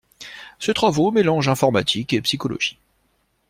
Ses travaux mélangent informatique et psychologie.